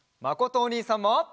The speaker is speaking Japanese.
まことおにいさんも。